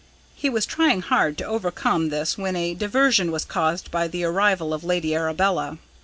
He was trying hard to overcome this when a diversion was caused by the arrival of Lady Arabella.